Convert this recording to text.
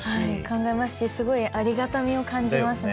考えますしすごいありがたみを感じますね。